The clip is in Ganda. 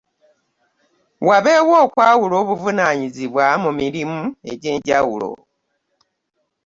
Wabeewo okwawula Obuvunaanyizibwa mu mirimu egy'enjawulo.